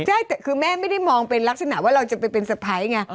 ใช่แต่คือแม่ไม่ได้มองเป็นลักษณะว่าเราจะไปเป็นสะพ้ายไง